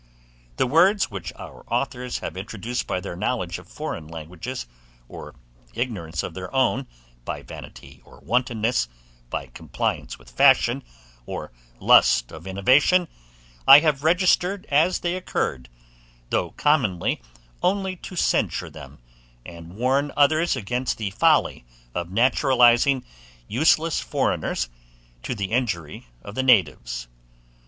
The words which our authours have introduced by their knowledge of foreign languages, or ignorance of their own, by vanity or wantonness, by compliance with fashion or lust of innovation, I have registred as they occurred, though commonly only to censure them, and warn others against the folly of naturalizing useless foreigners to the injury of the natives.